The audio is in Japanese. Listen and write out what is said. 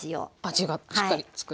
味がしっかり付く。